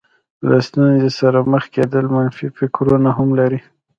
له ستونزې سره مخ کېدل منفي فکرونه هم لري.